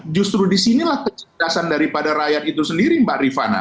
justru disinilah kecerdasan daripada rakyat itu sendiri mbak rifana